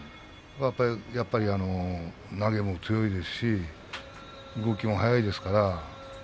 やっぱり投げも強いですし動きも速いですから。